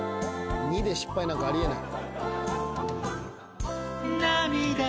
２で失敗なんかあり得ない。